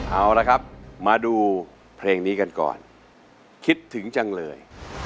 เอาละครับมาดูเพลงนี้กันก่อนคิดถึงจังเลย